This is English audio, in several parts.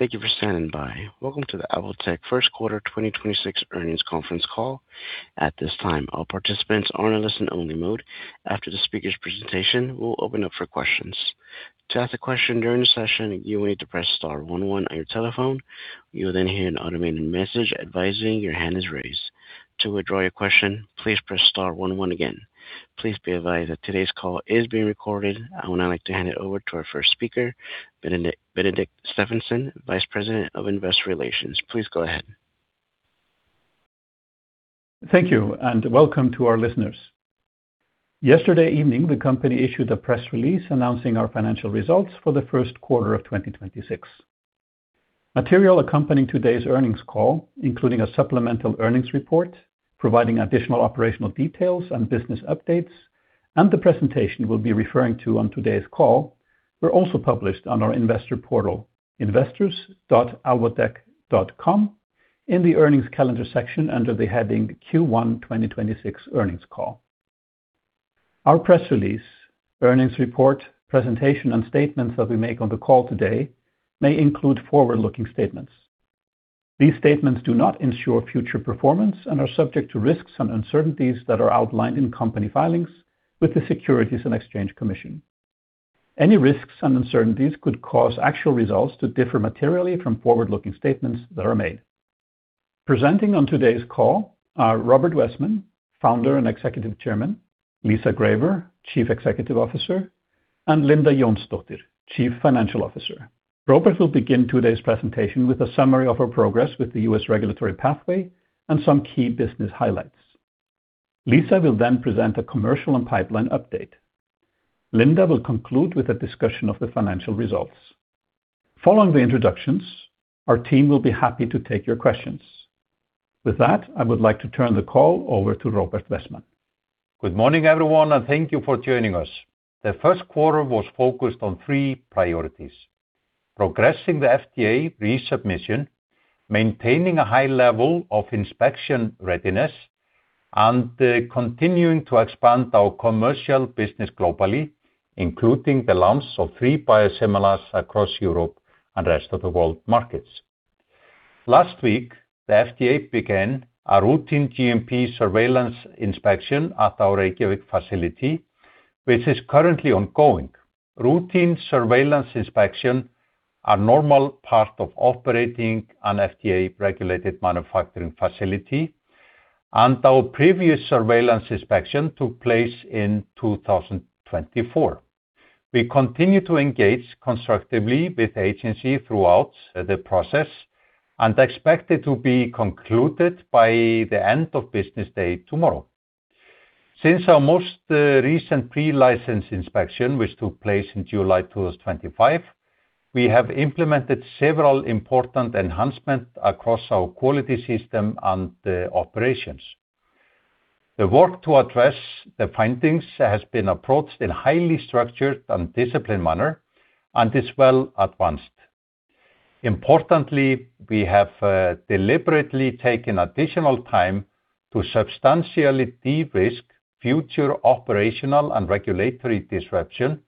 Welcome to the Alvotech First Quarter 2026 Earnings Conference Call. At this time all participants are on listen only mode. After the speakers presentation we'll open up for questions. To ask a question during a session you need to press star one one on the telephone, you may then heard an automated message advising your hand is raised. To withdraw you question please press star one one again. Please be advise that todays call is being recorded. I would now like to hand you over to our first speaker Benedikt Stefansson, Vice President of Investor Relations. Please go ahead. Thank you, and welcome to our listeners. Yesterday evening, the company issued a press release announcing our financial results for the first quarter of 2026. Material accompanying today's earnings call, including a supplemental earnings report, providing additional operational details and business updates, and the presentation we'll be referring to on today's call were also published on our investor portal, investors.alvotech.com in the earnings calendar section under the heading Q1 2026 earnings call. Our press release, earnings report, presentation, and statements that we make on the call today may include forward-looking statements. These statements do not ensure future performance and are subject to risks and uncertainties that are outlined in company filings with the Securities and Exchange Commission. Any risks and uncertainties could cause actual results to differ materially from forward-looking statements that are made. Presenting on today's call are Róbert Wessman, Founder and Executive Chairman, Lisa Graver, Chief Executive Officer, and Linda Jónsdóttir, Chief Financial Officer. Róbert will begin today's presentation with a summary of our progress with the U.S. regulatory pathway and some key business highlights. Lisa will then present a commercial and pipeline update. Linda will conclude with a discussion of the financial results. Following the introductions, our team will be happy to take your questions. With that, I would like to turn the call over to Róbert Wessman. Good morning, everyone, and thank you for joining us. The first quarter was focused on three priorities: progressing the FDA resubmission, maintaining a high level of inspection readiness, and continuing to expand our commercial business globally, including the launch of three biosimilars across Europe and rest of the world markets. Last week, the FDA began a routine GMP surveillance inspection at our Reykjavik facility, which is currently ongoing. Routine surveillance inspection are normal part of operating an FDA-regulated manufacturing facility, and our previous surveillance inspection took place in 2024. We continue to engage constructively with agency throughout the process and expect it to be concluded by the end of business day tomorrow. Since our most recent pre-license inspection, which took place in July 2025, we have implemented several important enhancements across our quality system and the operations. The work to address the findings has been approached in a highly structured and disciplined manner and is well advanced. Importantly, we have deliberately taken additional time to substantially de-risk future operational and regulatory disruption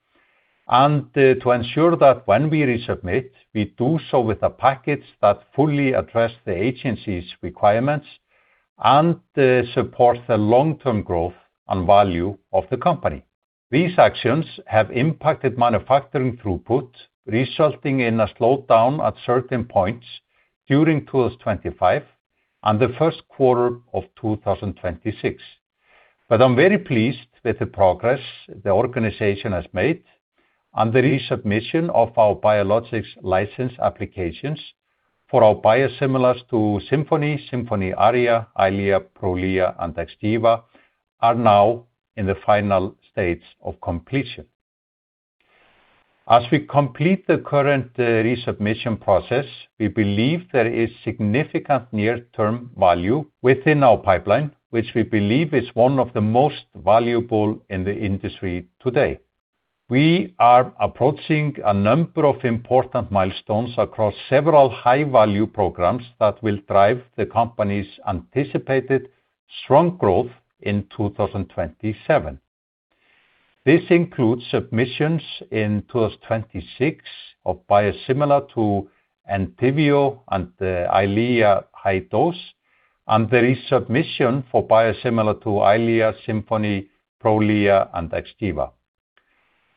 and to ensure that when we resubmit, we do so with a package that fully address the Agency's requirements and support the long-term growth and value of the company. These actions have impacted manufacturing throughput, resulting in a slowdown at certain points during 2025 and the first quarter of 2026. I'm very pleased with the progress the organization has made and the resubmission of our Biologics License Applications for our biosimilars to Simponi, SIMPONI ARIA, EYLEA, Prolia, and XGEVA are now in the final stage of completion. As we complete the current resubmission process, we believe there is significant near-term value within our pipeline, which we believe is one of the most valuable in the industry today. We are approaching a number of important milestones across several high-value programs that will drive the company's anticipated strong growth in 2027. This includes submissions in 2026 of biosimilar to ENTYVIO and the EYLEA high dose, and the resubmission for biosimilar to EYLEA, Simponi, Prolia, and XGEVA.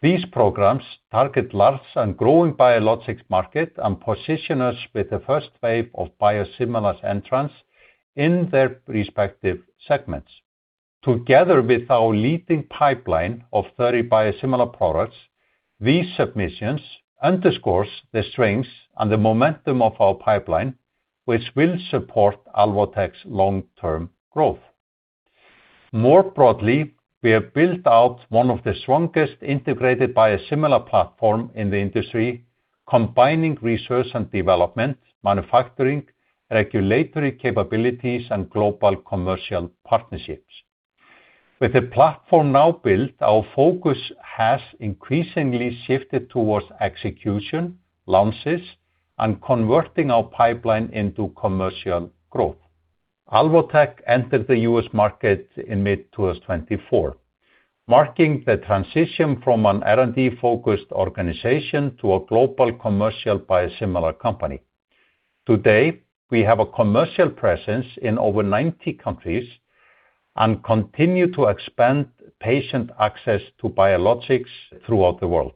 These programs target large and growing biologics market and position us with the first wave of biosimilars entrants in their respective segments. Together with our leading pipeline of 30 biosimilar products, these submissions underscores the strengths and the momentum of our pipeline, which will support Alvotech's long-term growth. More broadly, we have built out one of the strongest integrated biosimilar platform in the industry, combining research and development, manufacturing, regulatory capabilities, and global commercial partnerships. With the platform now built, our focus has increasingly shifted towards execution, launches, and converting our pipeline into commercial growth. Alvotech entered the U.S. market in mid-2024, marking the transition from an R&D-focused organization to a global commercial biosimilar company. Today, we have a commercial presence in over 90 countries and continue to expand patient access to biologics throughout the world.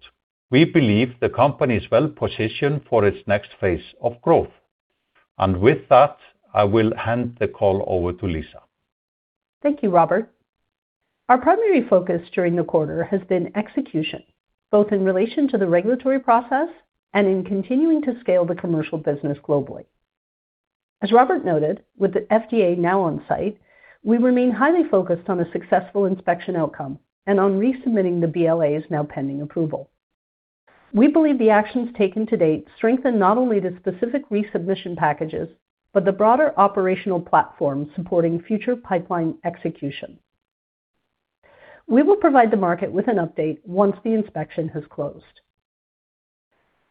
We believe the company is well-positioned for its next phase of growth. With that, I will hand the call over to Lisa. Thank you, Róbert. Our primary focus during the quarter has been execution, both in relation to the regulatory process and in continuing to scale the commercial business globally. As Róbert noted, with the FDA now on site, we remain highly focused on a successful inspection outcome and on resubmitting the BLAs now pending approval. We believe the actions taken to date strengthen not only the specific resubmission packages, but the broader operational platform supporting future pipeline execution. We will provide the market with an update once the inspection has closed.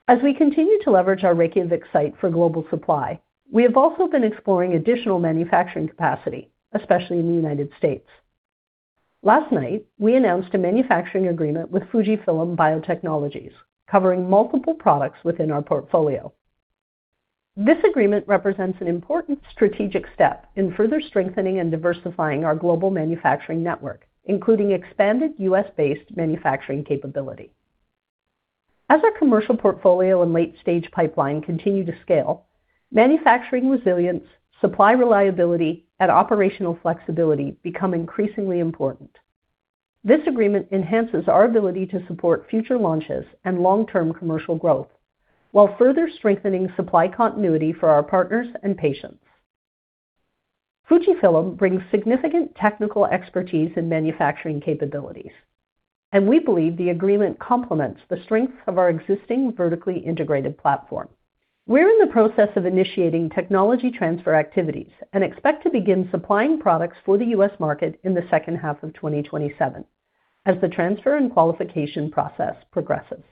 As we continue to leverage our Reykjavik site for global supply, we have also been exploring additional manufacturing capacity, especially in the United States. Last night, we announced a manufacturing agreement with FUJIFILM Biotechnologies, covering multiple products within our portfolio. This agreement represents an important strategic step in further strengthening and diversifying our global manufacturing network, including expanded U.S.-based manufacturing capability. As our commercial portfolio and late-stage pipeline continue to scale, manufacturing resilience, supply reliability, and operational flexibility become increasingly important. This agreement enhances our ability to support future launches and long-term commercial growth while further strengthening supply continuity for our partners and patients. We believe the agreement complements the strengths of our existing vertically integrated platform. We're in the process of initiating technology transfer activities and expect to begin supplying products for the US market in the second half of 2027 as the transfer and qualification process progresses.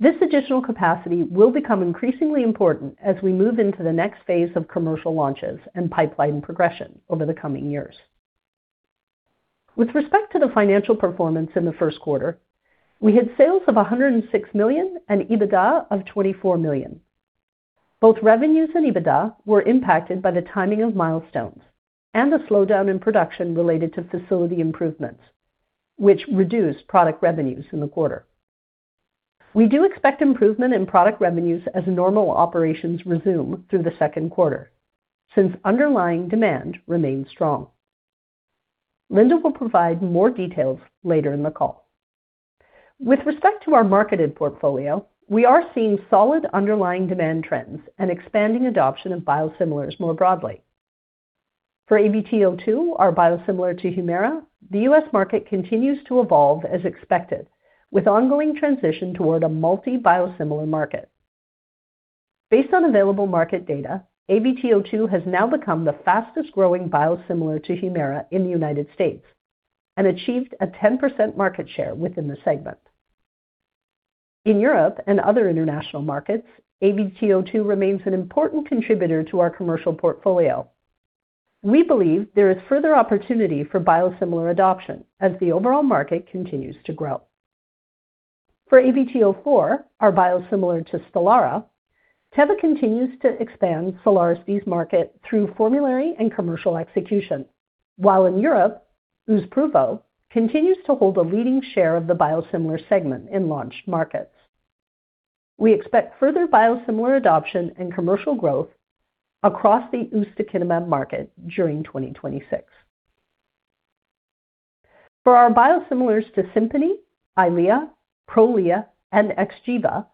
This additional capacity will become increasingly important as we move into the next phase of commercial launches and pipeline progression over the coming years. With respect to the financial performance in the first quarter, we had sales of $106 million and EBITDA of $24 million. Both revenues and EBITDA were impacted by the timing of milestones and a slowdown in production related to facility improvements, which reduced product revenues in the quarter. We do expect improvement in product revenues as normal operations resume through the second quarter since underlying demand remains strong. Linda will provide more details later in the call. With respect to our marketed portfolio, we are seeing solid underlying demand trends and expanding adoption of biosimilars more broadly. For AVT02, our biosimilar to HUMIRA, the US market continues to evolve as expected, with ongoing transition toward a multi-biosimilar market. Based on available market data, AVT02 has now become the fastest-growing biosimilar to HUMIRA in the United States and achieved a 10% market share within the segment. In Europe and other international markets, AVT02 remains an important contributor to our commercial portfolio. We believe there is further opportunity for biosimilar adoption as the overall market continues to grow. For AVT04, our biosimilar to STELARA, Teva continues to expand STELARA's market through formulary and commercial execution. While in Europe, Uzpruvo continues to hold a leading share of the biosimilar segment in launched markets. We expect further biosimilar adoption and commercial growth across the ustekinumab market during 2026. For our biosimilars to Simponi, EYLEA, Prolia, and XGEVA,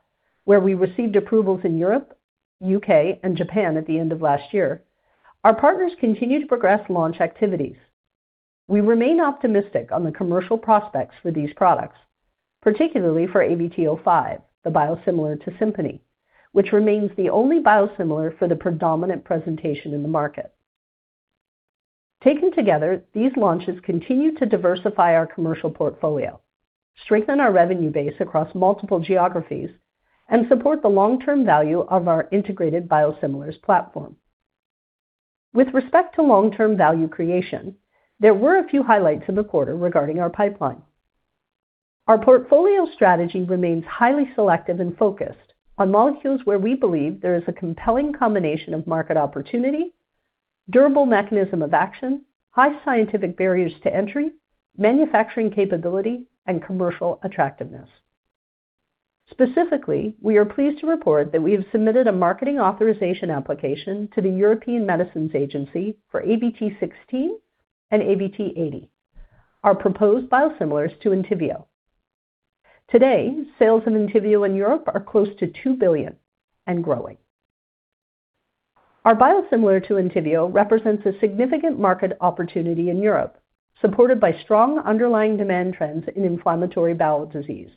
where we received approvals in Europe, U.K., and Japan at the end of last year, our partners continue to progress launch activities. We remain optimistic on the commercial prospects for these products, particularly for AVT05, the biosimilar to Simponi, which remains the only biosimilar for the predominant presentation in the market. Taken together, these launches continue to diversify our commercial portfolio, strengthen our revenue base across multiple geographies, and support the long-term value of our integrated biosimilars platform. With respect to long-term value creation, there were a few highlights in the quarter regarding our pipeline. Our portfolio strategy remains highly selective and focused on molecules where we believe there is a compelling combination of market opportunity, durable mechanism of action, high scientific barriers to entry, manufacturing capability, and commercial attractiveness. Specifically, we are pleased to report that we have submitted a marketing authorization application to the European Medicines Agency for AVT16 and AVT80, our proposed biosimilars to ENTYVIO. Today, sales of ENTYVIO in Europe are close to $2 billion and growing. Our biosimilar to ENTYVIO represents a significant market opportunity in Europe, supported by strong underlying demand trends in inflammatory bowel disease.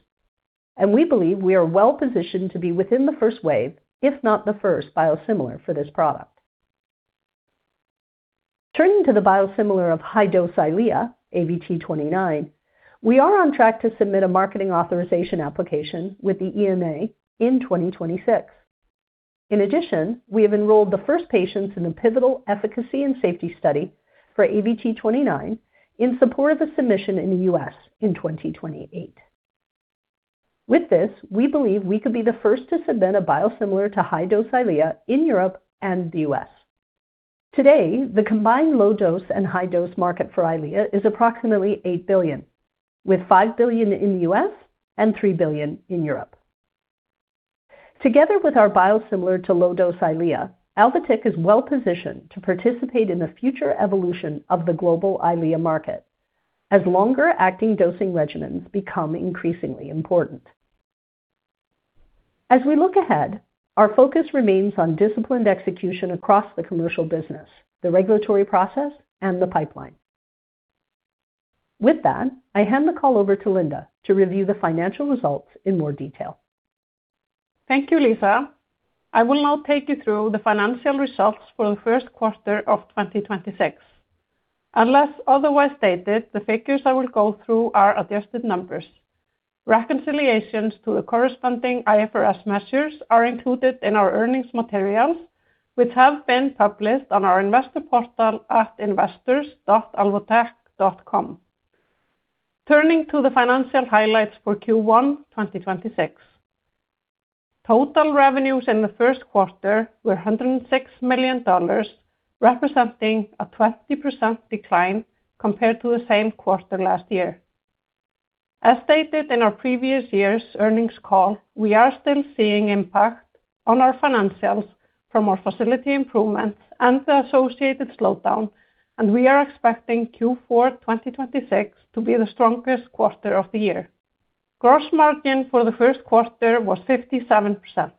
We believe we are well-positioned to be within the first wave, if not the first biosimilar for this product. Turning to the biosimilar of high-dose EYLEA, AVT29, we are on track to submit a marketing authorization application with the EMA in 2026. In addition, we have enrolled the first patients in the pivotal efficacy and safety study for AVT29 in support of the submission in the U.S. in 2028. With this, we believe we could be the first to submit a biosimilar to high-dose EYLEA in Europe and the U.S. Today, the combined low dose and high dose market for EYLEA is approximately $8 billion, with $5 billion in the U.S. and $3 billion in Europe. Together with our biosimilar to low-dose EYLEA, Alvotech is well-positioned to participate in the future evolution of the global EYLEA market as longer-acting dosing regimens become increasingly important. As we look ahead, our focus remains on disciplined execution across the commercial business, the regulatory process, and the pipeline. With that, I hand the call over to Linda to review the financial results in more detail. Thank you, Lisa. I will now take you through the financial results for the first quarter of 2026. Unless otherwise stated, the figures I will go through are adjusted numbers. Reconciliations to the corresponding IFRS measures are included in our earnings materials, which have been published on our investor portal at investors.alvotech.com. Turning to the financial highlights for Q1 2026. Total revenues in the first quarter were $106 million, representing a 20% decline compared to the same quarter last year. As stated in our previous year's earnings call, we are still seeing impact on our financials from our facility improvements and the associated slowdown. We are expecting Q4 2026 to be the strongest quarter of the year. Gross margin for the first quarter was 57%,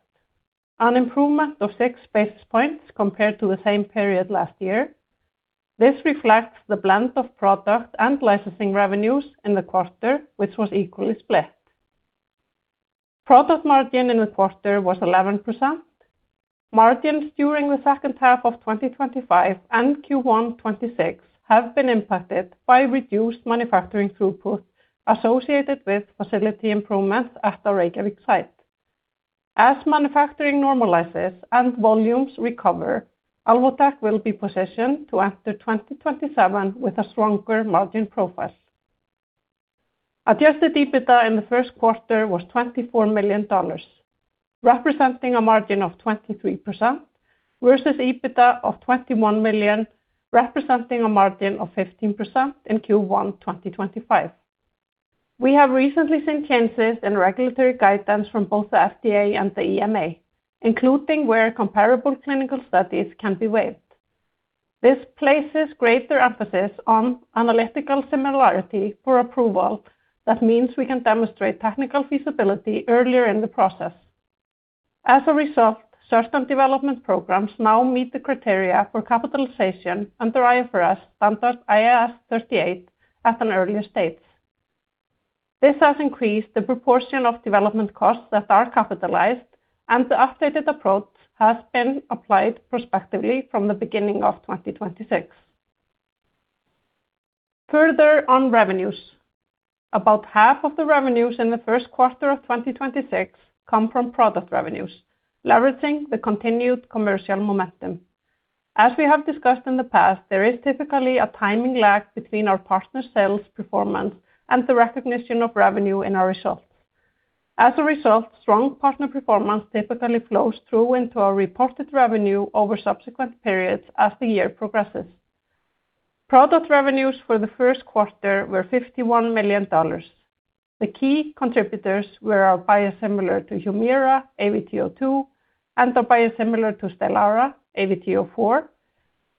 an improvement of 6 basis points compared to the same period last year. This reflects the blend of product and licensing revenues in the quarter, which was equally split. Product margin in the quarter was 11%. Margins during the second half of 2025 and Q1 2026 have been impacted by reduced manufacturing throughput associated with facility improvements at our Reykjavik site. As manufacturing normalizes and volumes recover, Alvotech will be positioned to enter 2027 with a stronger margin profile. Adjusted EBITDA in the first quarter was $24 million, representing a margin of 23% versus EBITDA of $21 million, representing a margin of 15% in Q1 2025. We have recently seen changes in regulatory guidance from both the FDA and the EMA, including where comparable clinical studies can be waived. This places greater emphasis on analytical similarity for approval. That means we can demonstrate technical feasibility earlier in the process. As a result, certain development programs now meet the criteria for capitalization under IFRS Standard IAS 38 at an earlier stage. This has increased the proportion of development costs that are capitalized, and the updated approach has been applied prospectively from the beginning of 2026. Further on revenues. About half of the revenues in the first quarter of 2026 come from product revenues, leveraging the continued commercial momentum. As we have discussed in the past, there is typically a timing lag between our partners' sales performance and the recognition of revenue in our results. As a result, strong partner performance typically flows through into our reported revenue over subsequent periods as the year progresses. Product revenues for the first quarter were $51 million. The key contributors were our biosimilar to HUMIRA, AVT02, and our biosimilar to STELARA, AVT04.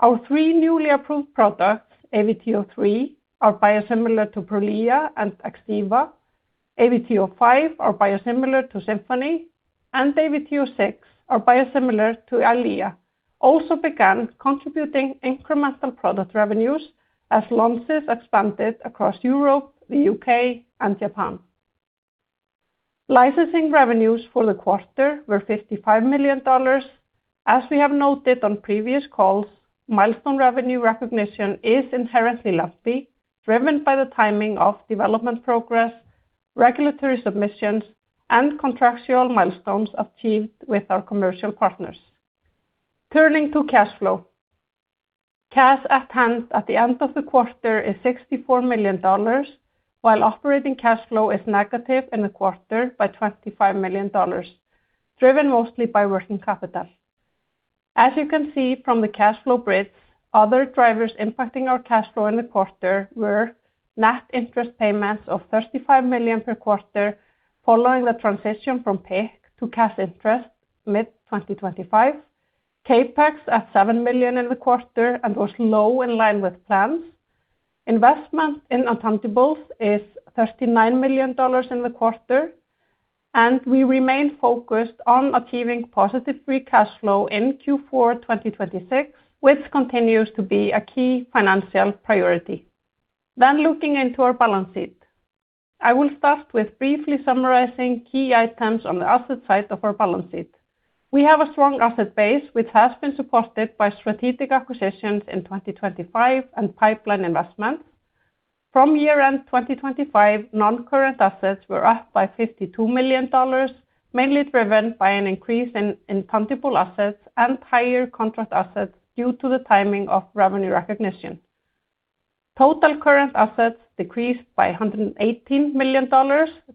Our three newly approved products, AVT03, our biosimilar to Prolia and XGEVA, AVT05, our biosimilar to SIMPONI, and AVT06, our biosimilar to EYLEA, also began contributing incremental product revenues as launches expanded across Europe, the U.K., and Japan. Licensing revenues for the quarter were $55 million. As we have noted on previous calls, milestone revenue recognition is inherently lumpy, driven by the timing of development progress, regulatory submissions, and contractual milestones achieved with our commercial partners. Turning to cash flow. Cash at hand at the end of the quarter is $64 million, while operating cash flow is negative in the quarter by $25 million, driven mostly by working capital. As you can see from the cash flow bridge, other drivers impacting our cash flow in the quarter were net interest payments of $35 million per quarter following the transition from PIK to cash interest mid-2025. CapEx at $7 million in the quarter and was low in line with plans. Investment in intangibles is $39 million in the quarter, and we remain focused on achieving positive free cash flow in Q4 2026, which continues to be a key financial priority. Looking into our balance sheet. I will start with briefly summarizing key items on the asset side of our balance sheet. We have a strong asset base, which has been supported by strategic acquisitions in 2025 and pipeline investments. From year-end 2025, non-current assets were up by $52 million, mainly driven by an increase in intangible assets and higher contract assets due to the timing of revenue recognition. Total current assets decreased by $118 million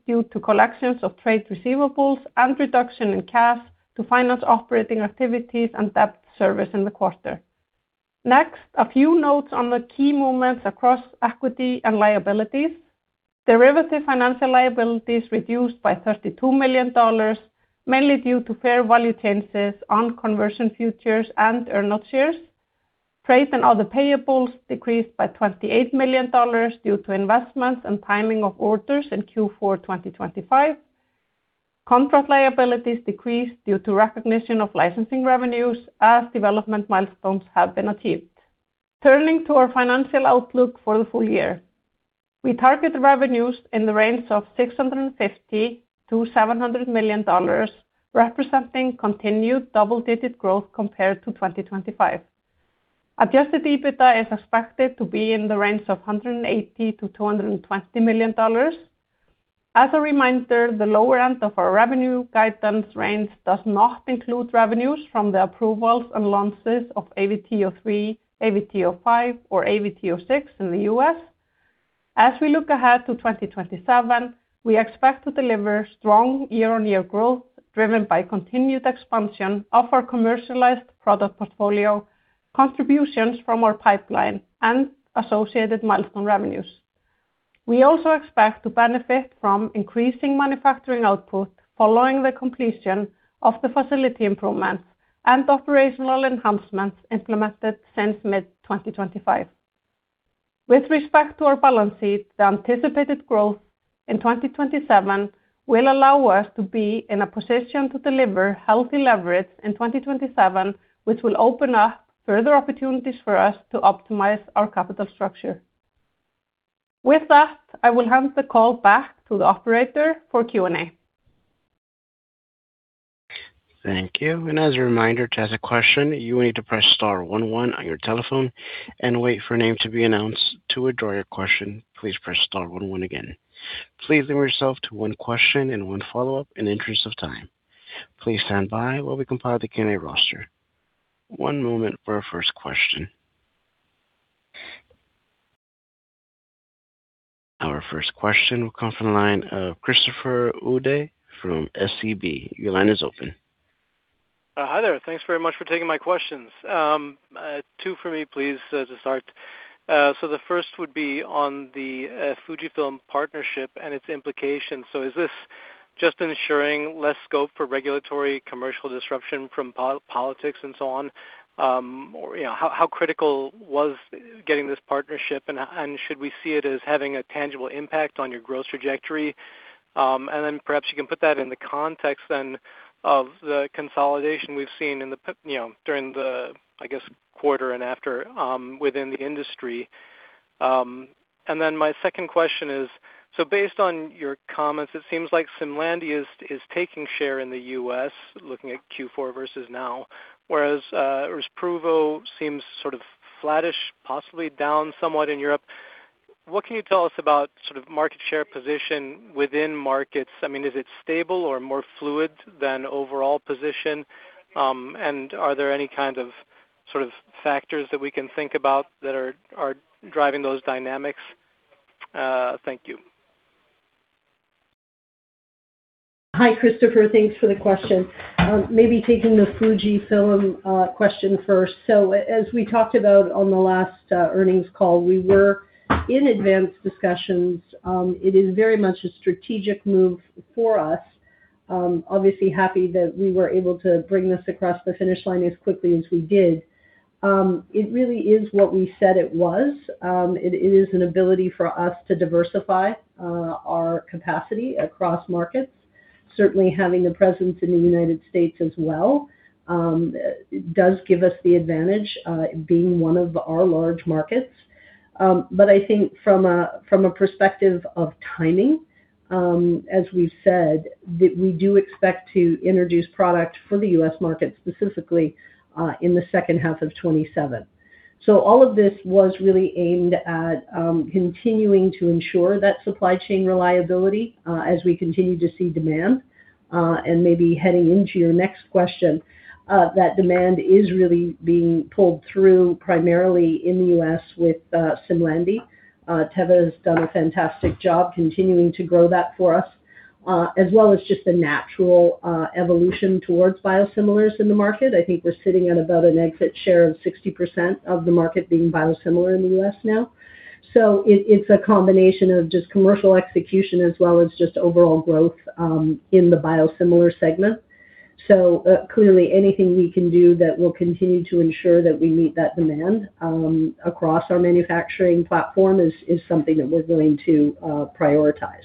due to collections of trade receivables and reduction in cash to finance operating activities and debt service in the quarter. Next, a few notes on the key movements across equity and liabilities. Derivative financial liabilities reduced by $32 million, mainly due to fair value changes on conversion features and earn-out shares. Trade and other payables decreased by $28 million due to investments and timing of orders in Q4 2025. Contract liabilities decreased due to recognition of licensing revenues as development milestones have been achieved. Turning to our financial outlook for the full year. We target revenues in the range of $650 million-$700 million, representing continued double-digit growth compared to 2025. Adjusted EBITDA is expected to be in the range of $180 million-$220 million. As a reminder, the lower end of our revenue guidance range does not include revenues from the approvals and launches of AVT03, AVT05, or AVT06 in the U.S. As we look ahead to 2027, we expect to deliver strong year-on-year growth driven by continued expansion of our commercialized product portfolio, contributions from our pipeline, and associated milestone revenues. We also expect to benefit from increasing manufacturing output following the completion of the facility improvements and operational enhancements implemented since mid-2025. With respect to our balance sheet, the anticipated growth in 2027 will allow us to be in a position to deliver healthy leverage in 2027, which will open up further opportunities for us to optimize our capital structure. With that, I will hand the call back to the operator for Q&A. Thank you. As a reminder, to ask a question, you will need to press star one one on your telephone and wait for a name to be announced. To withdraw your question, please press star one one again. Please limit yourself to one question and one follow-up in the interest of time. Please stand by while we compile the Q&A roster. One moment for our first question. Our first question will come from the line of Christopher Uhde from SEB. Your line is open. Hi there. Thanks very much for taking my questions. Two for me, please, to start. The first would be on the FUJIFILM partnership and its implications. Is this just ensuring less scope for regulatory commercial disruption from politics and so on? You know, how critical was getting this partnership, and should we see it as having a tangible impact on your growth trajectory? Perhaps you can put that in the context then of the consolidation we've seen in the, you know, during the, I guess, quarter and after within the industry. My second question is, based on your comments, it seems like Simlandi is taking share in the U.S., looking at Q4 versus now, whereas Uzpruvo seems sort of flattish, possibly down somewhat in Europe. What can you tell us about sort of market share position within markets? I mean, is it stable or more fluid than overall position? Are there any kind of sort of factors that we can think about that are driving those dynamics? Thank you. Hi, Christopher. Thanks for the question. Maybe taking the FUJIFILM question first. As we talked about on the last earnings call, we were in advanced discussions. It is very much a strategic move for us. Obviously happy that we were able to bring this across the finish line as quickly as we did. It really is what we said it was. It is an ability for us to diversify our capacity across markets. Certainly having a presence in the United States as well does give us the advantage being one of our large markets. I think from a perspective of timing, as we've said, that we do expect to introduce product for the U.S. market specifically in the second half of 2027. All of this was really aimed at continuing to ensure that supply chain reliability, as we continue to see demand, and maybe heading into your next question, that demand is really being pulled through primarily in the U.S. with Simlandi. Teva's done a fantastic job continuing to grow that for us, as well as just the natural evolution towards biosimilars in the market. I think we're sitting at about an exit share of 60% of the market being biosimilar in the U.S. now. It's a combination of just commercial execution as well as just overall growth in the biosimilar segment. Clearly anything we can do that will continue to ensure that we meet that demand across our manufacturing platform is something that we're going to prioritize.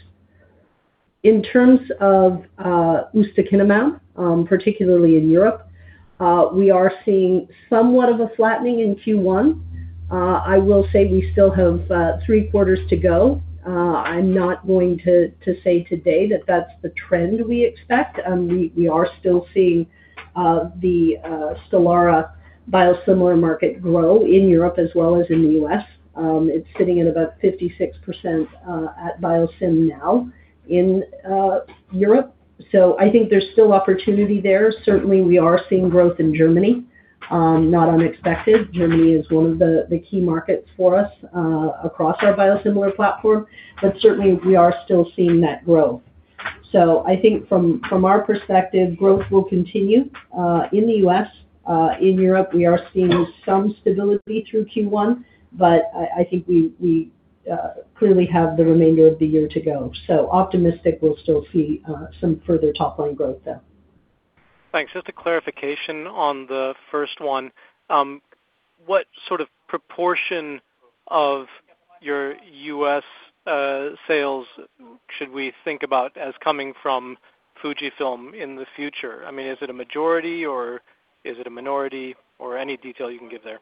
In terms of ustekinumab, particularly in Europe, we are seeing somewhat of a flattening in Q1. I will say we still have three quarters to go. I'm not going to say today that that's the trend we expect. We are still seeing the STELARA biosimilar market grow in Europe as well as in the U.S. It's sitting at about 56% at biosimilar now in Europe. I think there's still opportunity there. Certainly, we are seeing growth in Germany, not unexpected. Germany is one of the key markets for us across our biosimilar platform. Certainly we are still seeing that growth. I think from our perspective, growth will continue in the U.S. In Europe, we are seeing some stability through Q1, but I think we clearly have the remainder of the year to go. Optimistic we'll still see some further top line growth there. Thanks. Just a clarification on the first one. What sort of proportion of your US sales should we think about as coming from FUJIFILM in the future? I mean, is it a majority or is it a minority or any detail you can give there?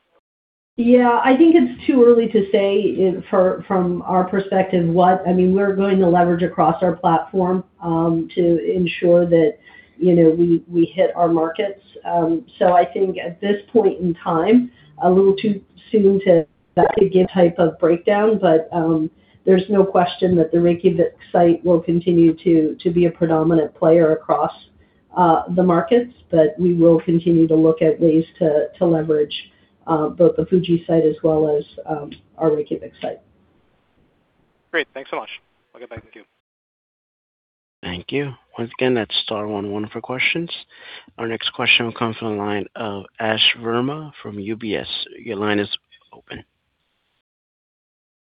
Yeah. I think it's too early to say from our perspective what I mean, we're going to leverage across our platform to ensure that, you know, we hit our markets. I think at this point in time, a little too soon to begin type of breakdown, but there's no question that the Reykjavik site will continue to be a predominant player across the markets. We will continue to look at ways to leverage both the FUJIFILM site as well as our Reykjavik site. Great. Thanks so much. I'll get back with you. Thank you. Once again, that's star one one for questions. Our next question will come from the line of Ashwani Verma from UBS. Your line is open.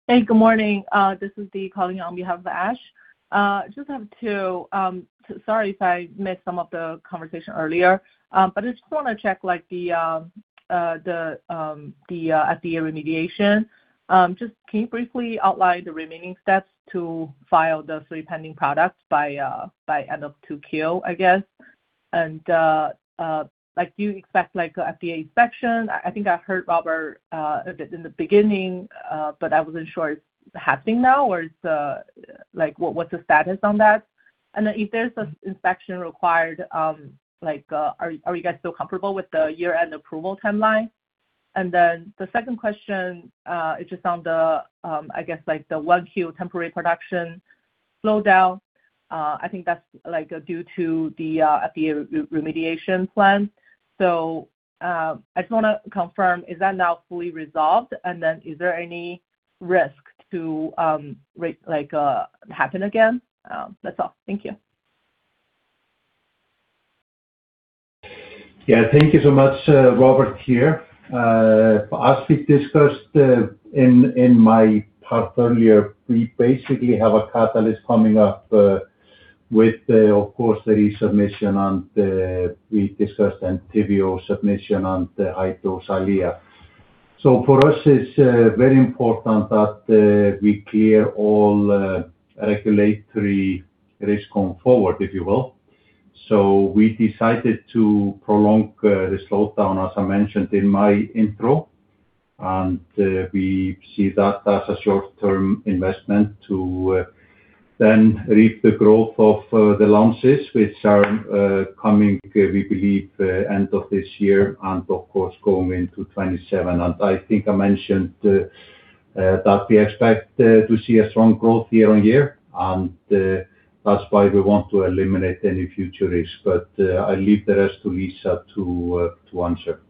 Hey, good morning. This is Dee calling on behalf of Ash. Just have to, sorry if I missed some of the conversation earlier. I just want to check, like, the FDA remediation. Just can you briefly outline the remaining steps to file the three pending products by end of 2Q, I guess? Like, do you expect, like, a FDA inspection? I think I heard Róbert a bit in the beginning, but I wasn't sure it's happening now or it's, like, what's the status on that? If there's a inspection required, like, are you guys still comfortable with the year-end approval timeline? The second question is just on the, I guess, like, the 1Q temporary production slowdown. I think that's due to the FDA remediation plan. I just want to confirm, is that now fully resolved? Is there any risk to happen again? That's all. Thank you. Thank you so much. Róbert here. As we discussed in my part earlier, we basically have a catalyst coming up with the, of course, the resubmission and we discussed ENTYVIO submission and the high-dose EYLEA. For us, it's very important that we clear all regulatory risk going forward, if you will. We decided to prolong the slowdown, as I mentioned in my intro, and we see that as a short-term investment to then reap the growth of the launches which are coming, we believe, end of this year and of course, going into 2027. I think I mentioned that we expect to see a strong growth year on year, and that's why we want to eliminate any future risk. I'll leave the rest to Lisa to answer.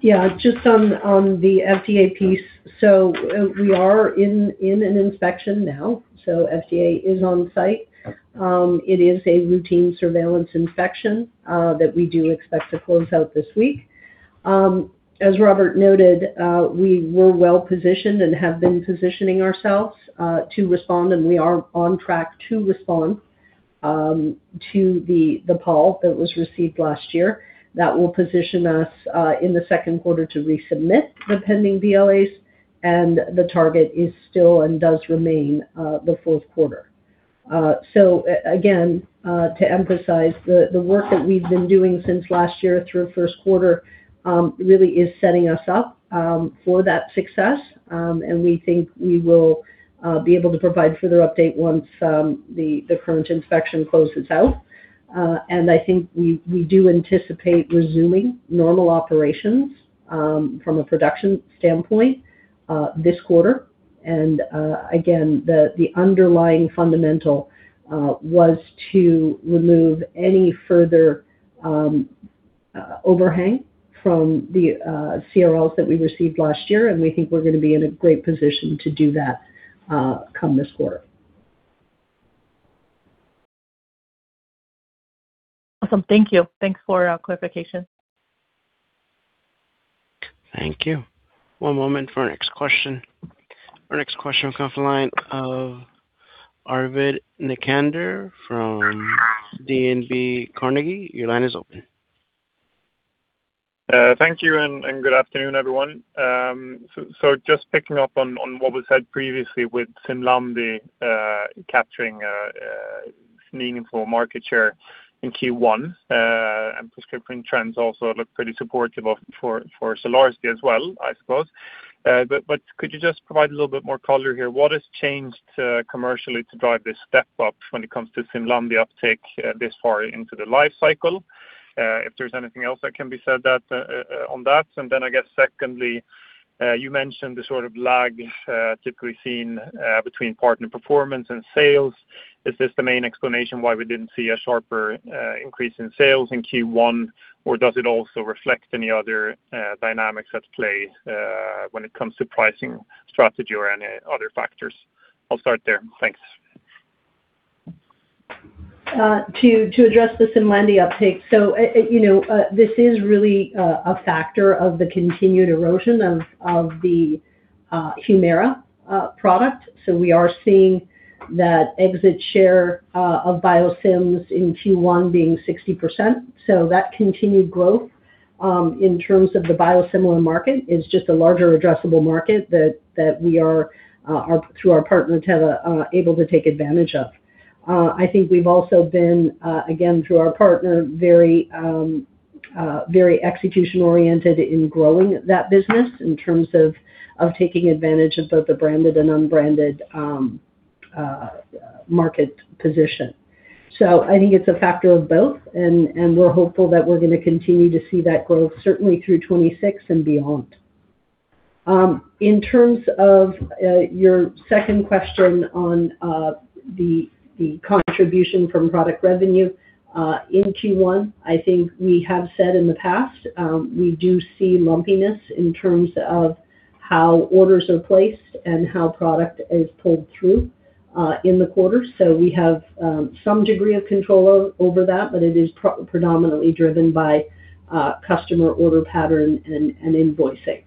Yeah. Just on the FDA piece. We are in an inspection now, so FDA is on site. It is a routine surveillance inspection that we do expect to close out this week. As Róbert noted, we were well positioned and have been positioning ourselves to respond, and we are on track to respond to the call that was received last year. That will position us in the second quarter to resubmit the pending BLAs, and the target is still and does remain the fourth quarter. Again, to emphasize the work that we've been doing since last year through first quarter, really is setting us up for that success. We think we will be able to provide further update once the current inspection closes out. I think we do anticipate resuming normal operations from a production standpoint this quarter. Again, the underlying fundamental was to remove any further overhang from the CRLs that we received last year, and we think we're gonna be in a great position to do that come this quarter. Awesome. Thank you. Thanks for clarification. Thank you. One moment for our next question. Our next question will come from the line of Arvid Necander from DNB Carnegie. Your line is open. Thank you and good afternoon, everyone. Just picking up on what was said previously with Simlandi, capturing meaningful market share in Q1, and prescription trends also look pretty supportive for STELARA as well, I suppose. Could you just provide a little bit more color here? What has changed commercially to drive this step up when it comes to Simlandi the uptake this far into the life cycle? If there's anything else that can be said on that. Then I guess secondly, you mentioned the sort of lag typically seen between partner performance and sales. Is this the main explanation why we didn't see a sharper increase in sales in Q1? Does it also reflect any other dynamics at play when it comes to pricing strategy or any other factors? I'll start there. Thanks. To address the Simlandi uptake. This is really a factor of the continued erosion of the HUMIRA product. We are seeing that exit share of biosims in Q1 being 60%. That continued growth in terms of the biosimilar market is just a larger addressable market that we are through our partner Teva able to take advantage of. I think we've also been, again, through our partner, very execution-oriented in growing that business in terms of taking advantage of both the branded and unbranded market position. I think it's a factor of both, and we're hopeful that we're gonna continue to see that growth certainly through 2026 and beyond. In terms of your second question on the contribution from product revenue in Q1, I think we have said in the past, we do see lumpiness in terms of how orders are placed and how product is pulled through in the quarter. So we have some degree of control over that, but it is predominantly driven by customer order pattern and invoicing.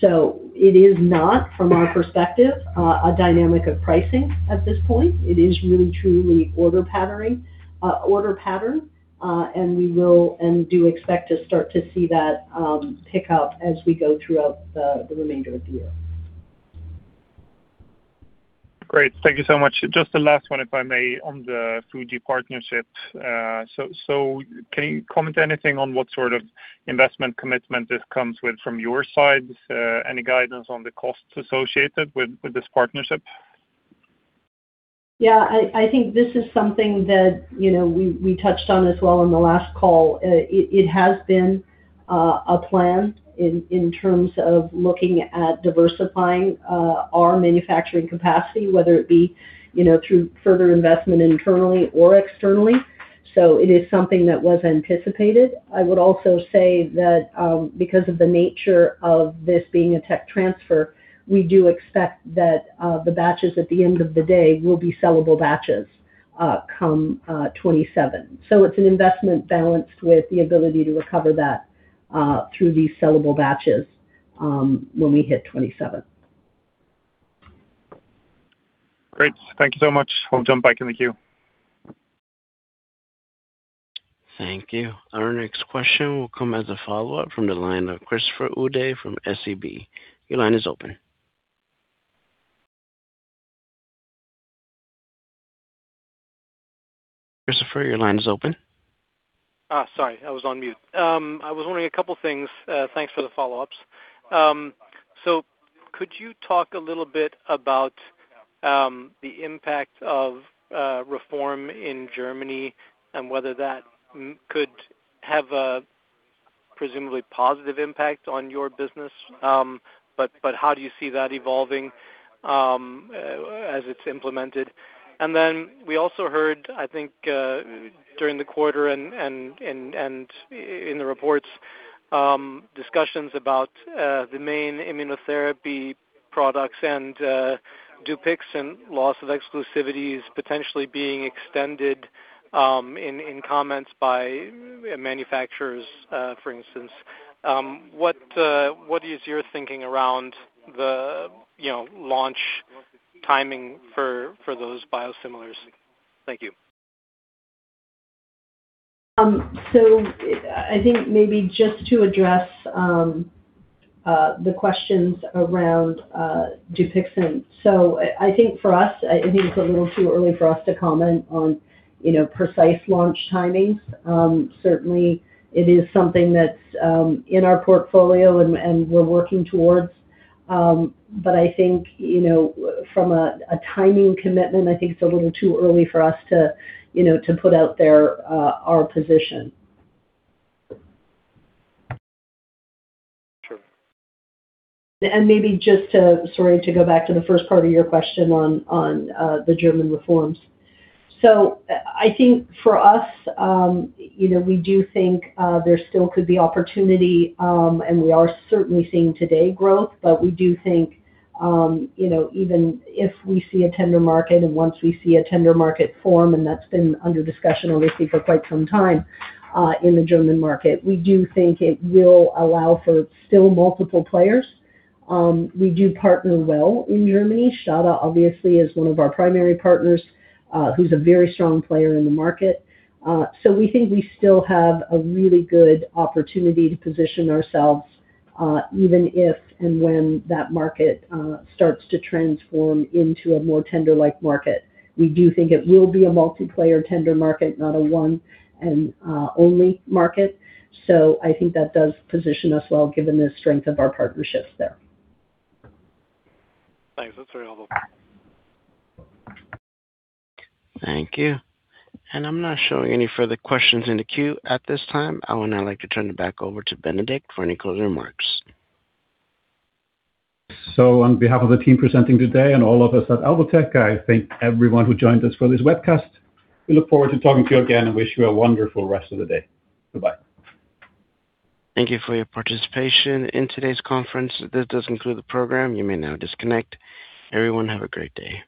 So it is not, from our perspective, a dynamic of pricing at this point. It is really truly order patterning, order pattern, and we will and do expect to start to see that pick up as we go throughout the remainder of the year. Great. Thank you so much. Just the last one, if I may, on the Fuji partnership. Can you comment anything on what sort of investment commitment this comes with from your side? Any guidance on the costs associated with this partnership? I think this is something that, you know, we touched on as well on the last call. It has been a plan in terms of looking at diversifying our manufacturing capacity, whether it be, you know, through further investment internally or externally. It is something that was anticipated. I would also say that because of the nature of this being a tech transfer, we do expect that the batches at the end of the day will be sellable batches come 27. It's an investment balanced with the ability to recover that through these sellable batches when we hit 27. Great. Thank you so much. I'll jump back in the queue. Thank you. Our next question will come as a follow-up from the line of Christopher Uhde from SEB. Your line is open. Christopher, your line is open. Sorry, I was on mute. I was wondering a couple things. Thanks for the follow-ups. Could you talk a little bit about the impact of reform in Germany and whether that could have a presumably positive impact on your business? How do you see that evolving as it's implemented? We also heard, I think, during the quarter and in the reports, discussions about the main immunotherapy products and Dupixent loss of exclusivities potentially being extended in comments by manufacturers, for instance. What is your thinking around the, you know, launch timing for those biosimilars? Thank you. I think maybe just to address the questions around Dupixent. I think for us, I think it's a little too early for us to comment on, you know, precise launch timings. Certainly it is something that's in our portfolio and we're working towards. I think, you know, from a timing commitment, I think it's a little too early for us to, you know, to put out there our position. Sure. Maybe just to go back to the first part of your question on the German reforms. I think for us, you know, we do think there still could be opportunity, and we are certainly seeing today growth. We do think, you know, even if we see a tender market and once we see a tender market form, and that's been under discussion, obviously, for quite some time, in the German market, we do think it will allow for still multiple players. We do partner well in Germany. STADA obviously is one of our primary partners, who's a very strong player in the market. We think we still have a really good opportunity to position ourselves, even if and when that market starts to transform into a more tender-like market. We do think it will be a multiplayer tender market, not a one and only market. I think that does position us well, given the strength of our partnerships there. Thanks. That's very helpful. Thank you. I'm not showing any further questions in the queue at this time. I would now like to turn it back over to Benedikt for any closing remarks. On behalf of the team presenting today and all of us at Alvotech, I thank everyone who joined us for this webcast. We look forward to talking to you again and wish you a wonderful rest of the day. Bye-bye. Thank you for your participation in today's conference. This does conclude the program. You may now disconnect. Everyone, have a great day.